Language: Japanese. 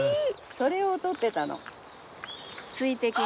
それを撮ってたの。